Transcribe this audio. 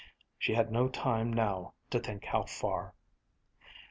she had no time now to think how far.